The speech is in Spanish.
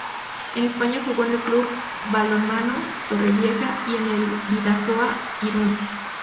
En España jugó en el Club Balonmano Torrevieja y en el Bidasoa Irún.